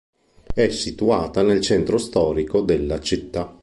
È situata nel centro storico della città.